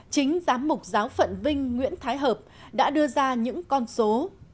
chính giám mục giáo phận vinh nguyễn thái hợp đã đưa ra những con số